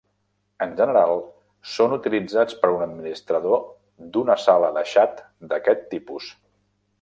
En general són utilitzats per un administrador d'una sala de xat d'aquest tipus.